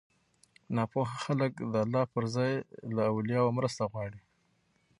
ناپوهه خلک د الله پر ځای له اولياوو مرسته غواړي